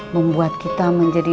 membuat kita menjadi